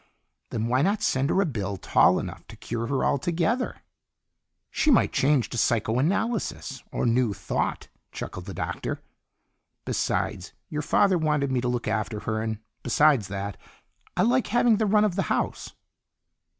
"Then why not send her a bill tall enough to cure her altogether?" "She might change to psychoanalysis or New Thought," chuckled the Doctor. "Besides, your father wanted me to look after her, and besides that, I like having the run of the house."